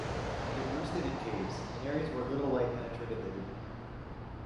It roosted in caves, in areas where little light penetrated the gloom.